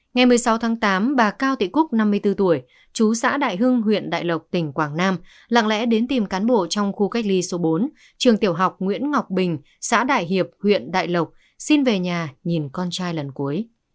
ngày một mươi sáu tháng tám bà cao thị cúc năm mươi bốn tuổi chú xã đại hưng huyện đại lộc tỉnh quảng nam lặng lẽ đến tìm cán bộ trong khu cách ly số bốn trường tiểu học nguyễn ngọc bình xã đại hiệp huyện đại lộc xin về nhà nhìn con trai lần cuối